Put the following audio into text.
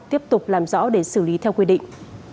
tiếp tục làm rõ để xử lý theo quy định